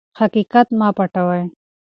حقیقت مه پټوئ.